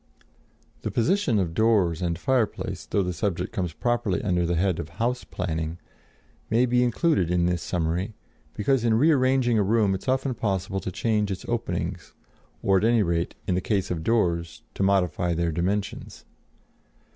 The position of doors and fireplace, though the subject comes properly under the head of house planning, may be included in this summary, because in rearranging a room it is often possible to change its openings, or at any rate, in the case of doors, to modify their dimensions.